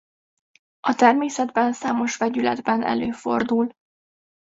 A természetben számos vegyületben előfordul.